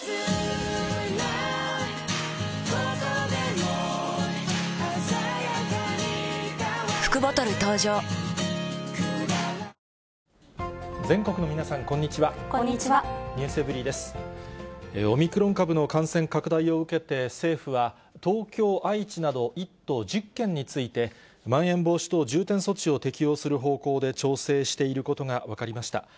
オミクロン株の感染拡大を受けて、政府は東京、愛知など、１都１０県について、まん延防止等重点措置を適用する方向で調整していることが分かりました。